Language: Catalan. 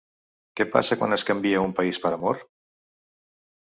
Què passa quan es canvia un país per amor?